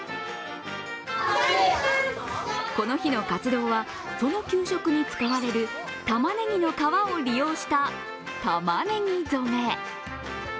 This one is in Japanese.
この日の活動は、その給食に使われるたまねぎの皮を利用したたまねぎ染め。